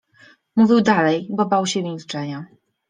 Mówił dalej, bo bał się milczenia.